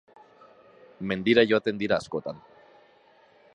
mendira joaten dira askotan